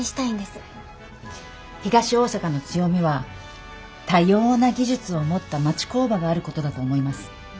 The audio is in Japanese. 東大阪の強みは多様な技術を持った町工場があることだと思います。